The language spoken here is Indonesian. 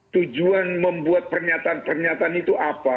tujuan membuat pernyataan pernyataan itu apa